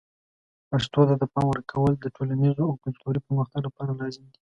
پښتو ته د پام ورکول د ټولنیز او کلتوري پرمختګ لپاره لازم دي.